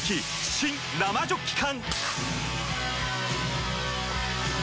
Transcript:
新・生ジョッキ缶！